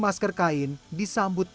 masker kain yang dibutuhkan